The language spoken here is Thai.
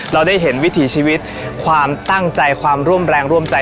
เราได้เห็นวิถีชีวิตความตั้งใจความร่วมแรงร่วมใจ